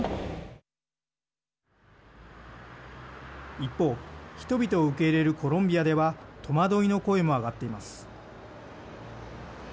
一方、人々を受け入れるコロンビアでは戸惑いの声も上がっています。